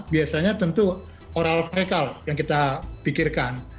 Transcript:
biasanya tentu oral fekal yang kita pikirkan